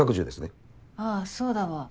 ああそうだわ。